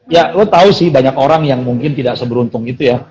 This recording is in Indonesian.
ya lu tau sih banyak orang yang mungkin tidak seberuntung gitu ya